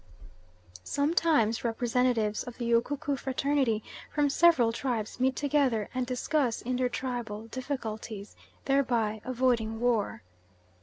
Sometimes representatives of the Ukuku fraternity from several tribes meet together and discuss intertribal difficulties, thereby avoiding war.